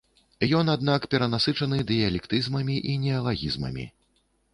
Ён, аднак перанасычаны дыялектызмамі і неалагізмамі.